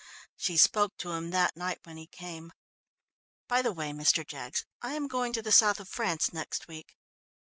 She spoke to him that night when he came. "By the way, Mr. Jaggs, I am going to the South of France next week."